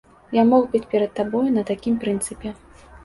Я мог быць перад табою на такім прынцыпе.